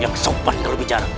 yang sopan kalau bicara